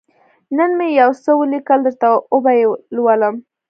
_نن مې يو څه ولېکل، درته وبه يې لولم.